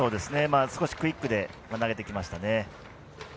少しクイックで投げてきましたね。